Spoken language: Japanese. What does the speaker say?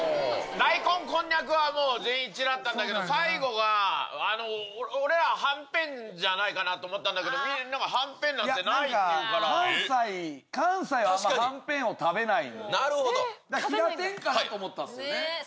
大根、こんにゃくはもう全員一致だったんだけど、最後が、俺ははんぺんじゃないかなと思ったんだけど、みんななんか、関西はあんまはんぺんを食べないので、ひらてんかなと思ったんですよ。